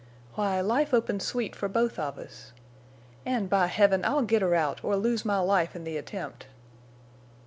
Why, life opens sweet for both of us. And, by Heaven! I'll get her out or lose my life in the attempt!"